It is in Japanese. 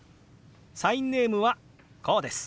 サインネームはこうです。